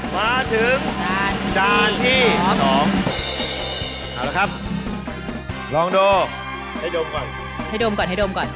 มาถึงจานที่สองเอาละครับลองดูให้ดมก่อนให้ดมก่อนให้ดมก่อน